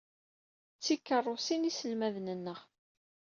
D tikeṛṛusin iselmaden-nneɣ.